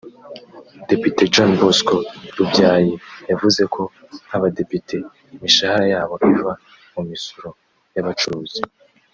Depite John Bosco Lubyayi yavuze ko nk’abadepite imishahara yabo iva mu misoro y’abacuruzi